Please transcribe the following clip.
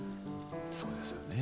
そうですよね。